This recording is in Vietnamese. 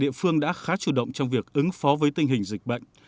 địa phương đã khá chủ động trong việc ứng phó với tình hình dịch bệnh